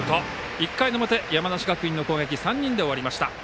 １回の表、山梨学院の攻撃３人で終わりました。